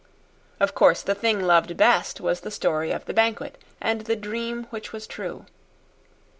Of course the thing loved best was the story of the banquet and the dream which was true.